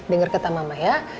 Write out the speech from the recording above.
denger kata mama ya